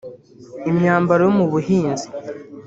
imyambaro yo mu buhinzi